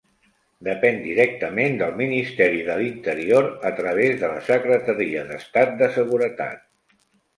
Depèn directament del Ministeri de l'Interior a través de la Secretaria d'Estat de Seguretat.